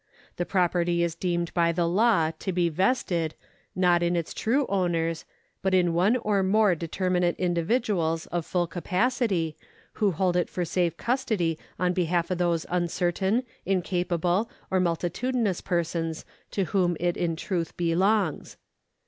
The property is deemed by the law to be vested, not in its true owners, but in one or more determinate individuals of full capacity, who hold it for safe custody on behalf of those uncertain, incapable, or multi tudinous persons to whom it in truth belongs.